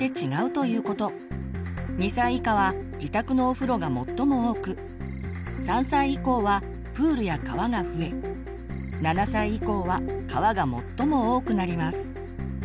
２歳以下は自宅のお風呂が最も多く３歳以降はプールや川が増え７歳以降は川が最も多くなります。